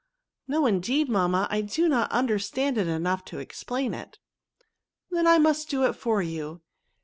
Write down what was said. No, indeed, mamma ; I do not under stand it enough to explain it." " Then I must do it for you.